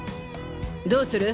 どうする？